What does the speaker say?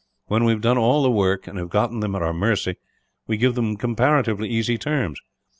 When we have done all the work, and have got them at our mercy, we give them comparatively easy terms.